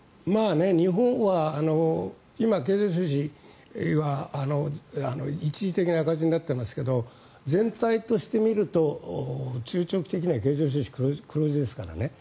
日本は今、経常収支は一時的な赤字になっていますけど全体として見ると中長期的な経常収支が黒字ですからね。